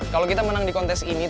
kalau kita menang di kontes ini